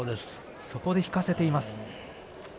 そこを引かせています。